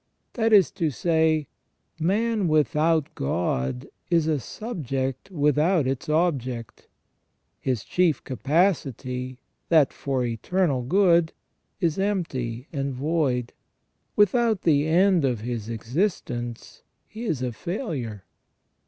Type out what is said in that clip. * That is to say, man without God is a subject without its object; his chief capacity, that for eternal good, is empty and void ; without the end of his existence he is a failure.